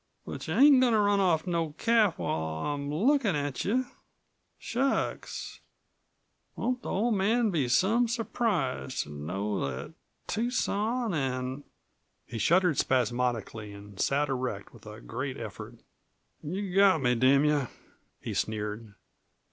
... But you ain't goin' to run off no calf while I'm lookin' at you. Shucks! Won't the Ol' Man be some surprised to know that Tucson an' " He shuddered spasmodically and sat erect with a great effort. "You've got me, damn you!" he sneered.